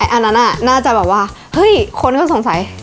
อันนั้นน่าจะแบบว่าเฮ้ยคนก็สงสัย